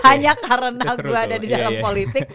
hanya karena gue ada di dalam politik